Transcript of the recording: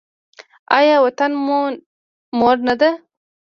آیا وطن مور نه ده؟